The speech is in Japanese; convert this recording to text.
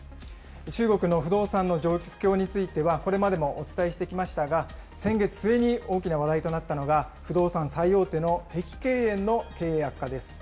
中国の不動産の不況については、これまでもお伝えしてきましたが、先月末に大きな話題となったのが不動産最大手の碧桂園の経営悪化です。